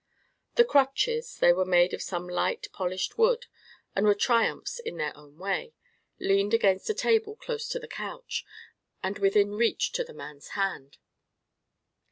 The crutches—they were made of some light, polished wood, and were triumphs of art in their way—leaned against a table close to the couch, and within reach to the man's hand.